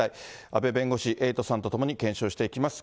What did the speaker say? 阿部弁護士、エイトさんと共に検証していきます。